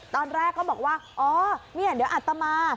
ตอนแรกเขาบอกว่าเดี๋ยวอัตตามา